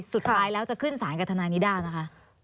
สุดท้ายแล้วจะขึ้นสารกับทนายนิด้านะคะ